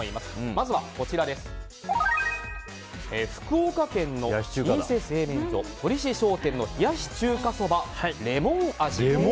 まずは、福岡県の老舗製麺所鳥志商店の冷やし中華そばレモン味。